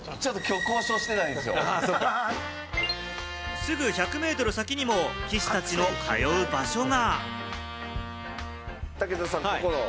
すぐ１００ｍ先にも棋士たちの通う場所が。